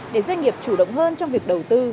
để doanh nghiệp chủ động hơn trong việc đầu tư